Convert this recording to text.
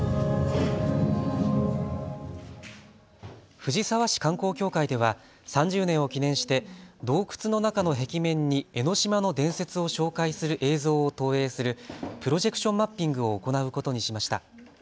藤沢市観光協会では３０年を記念して洞窟の中の壁面に江の島の伝説を紹介する映像を投影するプロジェクションマッピングを行うことにしました。